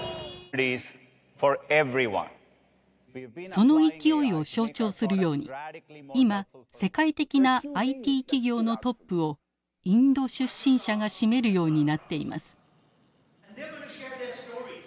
その勢いを象徴するように今世界的なＩＴ企業のトップをインド出身者が占めるようになっています。